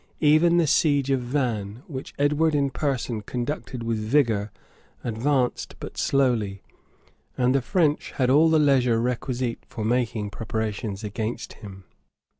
Even the siege of Vannes, which Edward in person conducted with vigor, advanced but slowly;[] and the French had all the leisure requisite for making preparations against him.